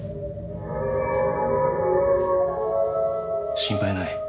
心配ない。